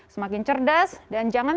semakin cerdas dan jangan